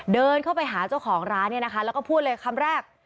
เดินเข้าไปหาเจ้าของร้านเนี่ยนะคะแล้วก็พูดเลยคำแรก